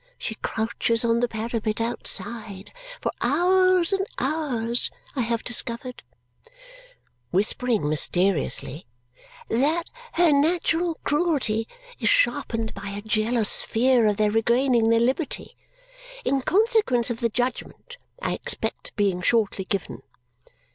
She crouches on the parapet outside for hours and hours. I have discovered," whispering mysteriously, "that her natural cruelty is sharpened by a jealous fear of their regaining their liberty. In consequence of the judgment I expect being shortly given.